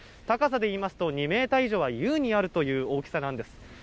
高さでいいますと、２メーター以上はゆうにあるという大きさなんです。